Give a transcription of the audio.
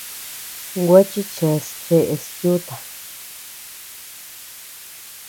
Gua chichas cheʼes yuta.